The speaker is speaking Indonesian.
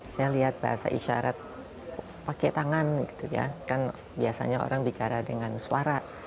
saya lihat bahasa isyarat pakai tangan gitu ya kan biasanya orang bicara dengan suara